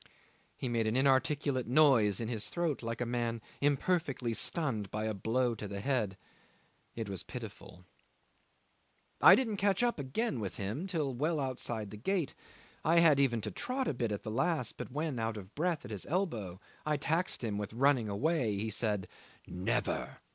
He made an inarticulate noise in his throat like a man imperfectly stunned by a blow on the head. It was pitiful. 'I didn't catch up again with him till well outside the gate. I had even to trot a bit at the last, but when, out of breath at his elbow, I taxed him with running away, he said, "Never!"